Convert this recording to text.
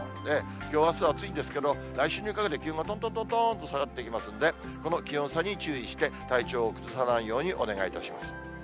きょう、あす、暑いんですけど、来週にかけて気温がとんとんとんとんと下がっていきますんで、この気温差に注意して、体調を崩さないようにお願いいたします。